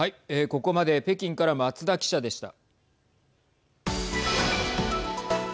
ここまで北京から松田記者でした。